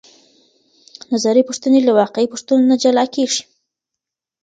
نظري پوښتنې له واقعي پوښتنو نه جلا کیږي.